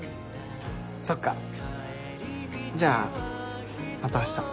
そっかじゃあまた明日。